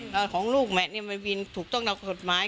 แล้วของลูกแมทนี่เป็นวินถูกต้องตามกฎหมาย